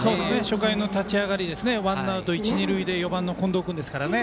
初回の立ち上がりワンアウト一、二塁で近藤君ですからね。